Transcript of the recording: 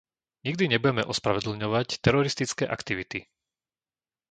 Nikdy nebudeme ospravedlňovať teroristické aktivity.